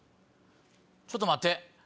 ちょっと待って。